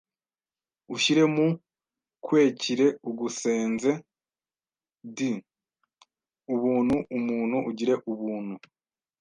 ushyire mu kwekire ugusenze. d) Ubuntu Umuntu ugire Ubuntu